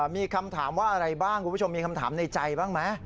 มีคำถามว่าอะไรบ้างคุณผู้ชมมีคำถามในใจบ้างไหม